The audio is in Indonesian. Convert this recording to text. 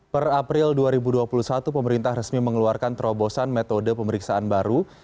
per april dua ribu dua puluh satu pemerintah resmi mengeluarkan terobosan metode pemeriksaan baru